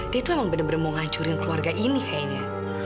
dia tuh emang bener bener mau ngacurin keluarga ini kayaknya